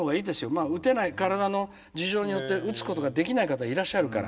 まあ打てない体の事情によって打つことができない方いらっしゃるから。